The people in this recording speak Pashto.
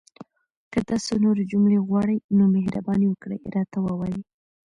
که تاسو نورې جملې غواړئ، نو مهرباني وکړئ راته ووایئ!